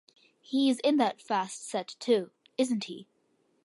He's in that fast set too, isn't he?